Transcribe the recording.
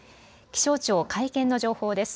気象庁会見の情報です。